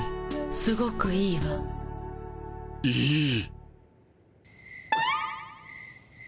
すごくいいわ。いい。